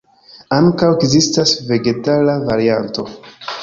Ankaŭ ekzistas vegetara varianto.